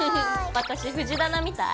私藤棚みたい？